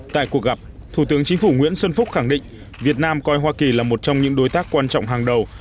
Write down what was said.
tại cuộc gặp thủ tướng chính phủ nguyễn xuân phúc khẳng định việt nam coi hoa kỳ là một trong những đối tác quan trọng hàng đầu